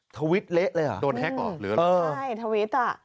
ทวีสเละเลยเหรอโดนแฮกออกเลยเหรอใช่ทวีสอ่ะ